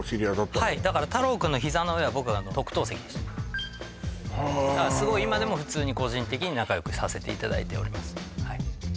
はいだから太郎君の膝の上は僕特等席でしただからすごい今でも普通に個人的に仲良くさせていただいております